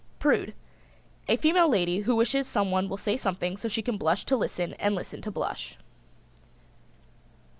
PRUDE. A female lady who wishes someone will say something so she can blush to listen and listen to blush.